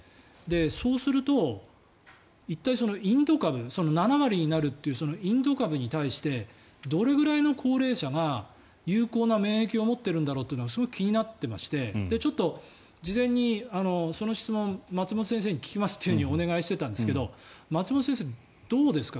そうすると一体、インド株７割になるというそのインド株に対してどれぐらいの高齢者が有効な免疫を持ってるんだろうというのがすごく気になってましてちょっと事前にその質問を松本先生に聞きますというふうにお願いしていたんですが松本先生、どうですか？